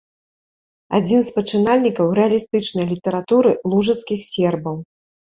Адзін з пачынальнікаў рэалістычнай літаратуры лужыцкіх сербаў.